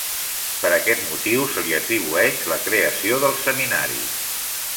Per aquest motiu se li atribueix la creació dels seminaris.